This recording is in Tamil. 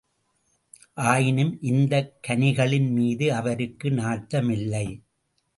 ஆயினும் இந்தக் கனிகளின்மீது அவருக்கு நாட்டமில்லை.